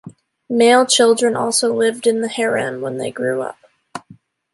Male children also lived in the harem until they grew up.